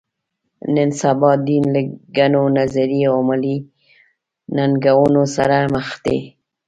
نن سبا دین له ګڼو نظري او عملي ننګونو سره مخ دی.